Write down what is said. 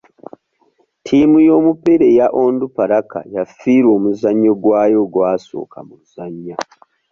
Ttiimu y'omupiira eya Onduparaka yafiirwa omuzannyo gwayo ogwasooka mu luzannya.